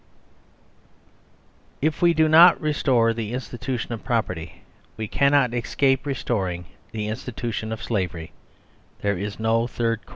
. If we do not restore the Institution of Property we cannot escape restoring the Institution of Slavery; there is no third course."